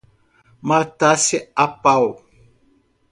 Matasse a pau